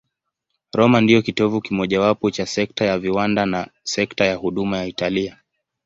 Roma ndiyo kitovu kimojawapo cha sekta ya viwanda na sekta ya huduma ya Italia.